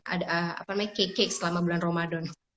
ada apa namanya cake cake selama bulan ramadan